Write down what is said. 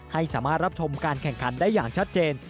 สามารถรับชมการแข่งขันได้อย่างชัดเจน